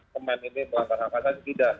kemen ini melanggar hak asesi tidak